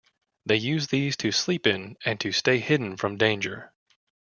They use these to sleep in and to stay hidden from danger.